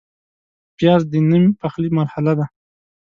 پیاز د نیم پخلي مرحله ده